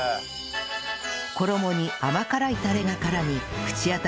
衣に甘辛いタレが絡み口当たりがしっとり